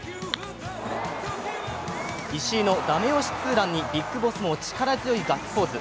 石井の駄目押しツーランにＢＩＧＢＯＳＳも力強いガッツポーズ。